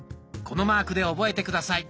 このマークで覚えて下さい。